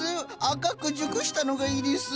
赤く熟したのがいいです。